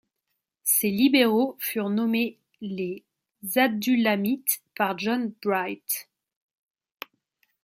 Ces Libéraux furent nommés les Adullamites par John Bright.